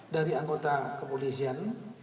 dari anggota kepolisian